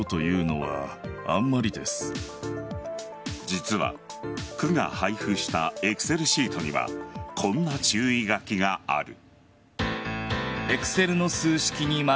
実は、区が配布したエクセルシートにはこんな注意書きがある。